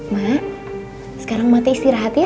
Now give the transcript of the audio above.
mak sekarang mati istirahat ya